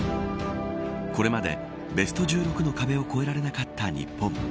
これまでベスト１６の壁を越えられなかった日本。